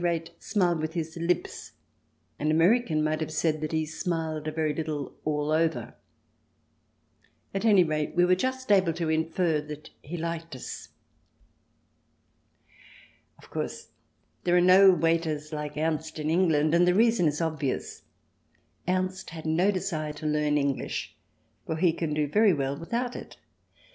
x rate, smile with his Hps — an American might have said that he smiled a very little all over. At any rate, we were just able to infer that he liked us. Of course there are no waiters like Ernst in England, and the reason is obvious. Ernst had no desire to learn English, for he can do very well without it.